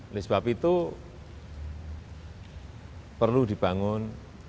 oleh sebab itu perlu dibangun